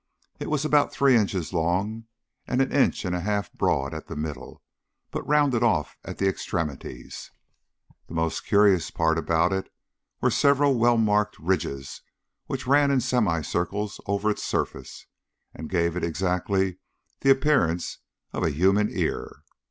It was about three inches long, and an inch and a half broad at the middle, but rounded off at the extremities. The most curious part about it were several well marked ridges which ran in semicircles over its surface, and gave it exactly the appearance of a human ear.